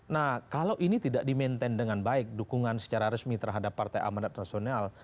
nah kalau ini tidak di maintain dengan baik dukungan secara resmi terhadap partai amanat nasional